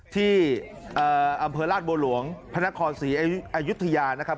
ที่เอ่ออำเภอราชโบรหลวงพนครศรีอายุธยานะครับ